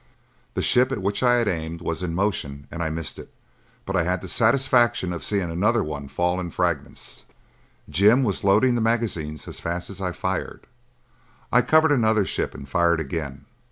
The ship at which I had aimed was in motion and I missed it, but I had the satisfaction of seeing another one fall in fragments. Jim was loading the magazine as fast as I fired. I covered another ship and fired again.